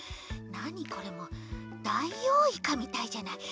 なにこれもうダイオウイカみたいじゃない。